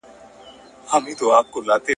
کمپيوټر د زده کړې سرعت لوړوي.